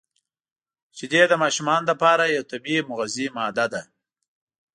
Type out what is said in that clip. • شیدې د ماشومانو لپاره یو طبیعي مغذي ماده ده.